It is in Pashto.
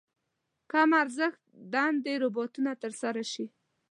کم ارزښت دندې روباټونو تر سره شي.